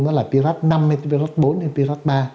đó là pirat năm hay pirat bốn hay pirat ba